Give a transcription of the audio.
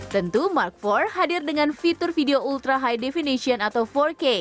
tentu mark empat hadir dengan fitur video ultra high definition atau empat k